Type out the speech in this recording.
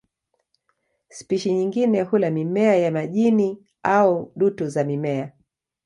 Spishi nyingine hula mimea ya majini au dutu za mimea.